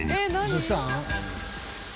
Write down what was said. どしたん？